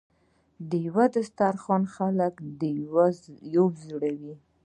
د یو دسترخان خلک یو زړه وي.